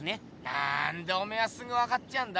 なんでおめえはすぐ分かっちゃうんだ？